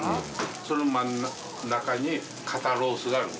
その真ん中に肩ロースがある。